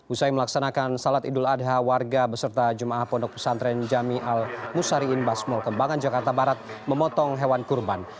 usai melaksanakan salat idul adha warga beserta jemaah pondok pesantren jami al musariin basmol kembangan jakarta barat memotong hewan kurban